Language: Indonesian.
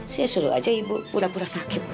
saya suruh aja ibu pura pura sakit